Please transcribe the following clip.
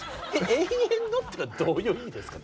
「永遠の」ってどういう意味ですか？